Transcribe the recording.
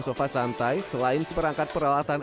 sofa santai selain seperangkat peralatan